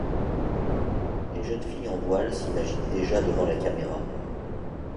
Les jeunes filles en voile s'imaginent déjà devant la caméra.